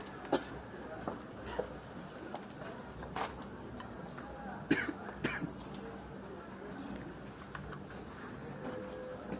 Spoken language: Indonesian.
hai hadirin kerumun untuk berdiri